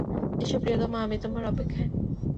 এসো প্রিয়তম আমি তোমার অপেক্ষায়।